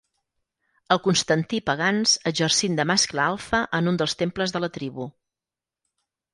El Constantí Pagans exercint de mascle alfa en un dels temples de la tribu.